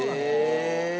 へえ。